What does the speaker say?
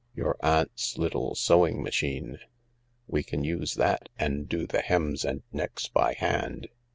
Your aunt's little sewing machine. We can use that and do the hems and necks by hand.